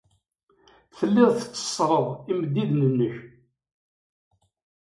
Telliḍ tetteṣṣreḍ imeddiden-nnek.